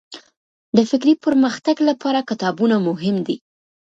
د فکري پرمختګ لپاره کتابونه مهم دي.